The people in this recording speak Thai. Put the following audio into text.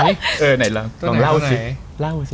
มาเล่นราวสิ